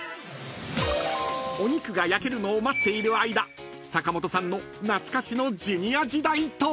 ［お肉が焼けるのを待っている間坂本さんの懐かしのＪｒ．時代トーク］